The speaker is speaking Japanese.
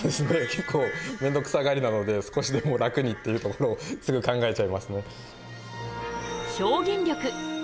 けっこう面倒くさがりなので少しでも楽にっていうところをすぐ考えちゃいますね。